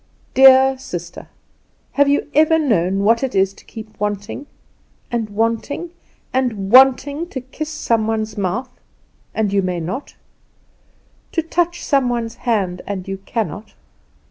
"Dear sister, have you ever known what it is to keep wanting and wanting and wanting to kiss some one's mouth, and you may not; to touch some one's hand, and you cannot?